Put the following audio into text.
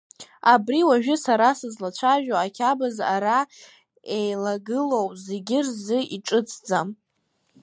Абри уажәы сара сызлацәажәо ақьабз ара еилагылоу зегьы рзы иҿыцӡам.